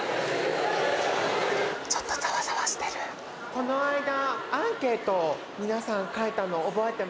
「この間」